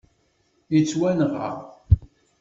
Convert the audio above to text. Yettwanɣa